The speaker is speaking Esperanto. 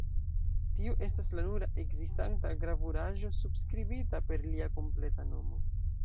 Tiu estas la nura ekzistanta gravuraĵo subskribita per lia kompleta nomo.